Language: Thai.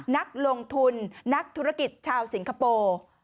นักลงทุนนักธุรกิจชาวสิงคโปร์